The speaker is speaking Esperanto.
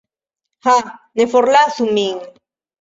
Ha, ne forlasu min!